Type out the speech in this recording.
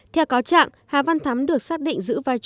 theo cáo trạng hà văn thắm được xác định giữ vụ tài năng